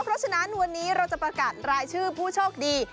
เพราะฉะนั้นวันนี้เราจะประกาศรายชื่อผู้โชคดี